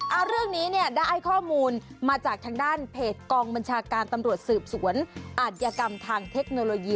เอาเรื่องนี้เนี่ยได้ข้อมูลมาจากทางด้านเพจกองบัญชาการตำรวจสืบสวนอาธิกรรมทางเทคโนโลยี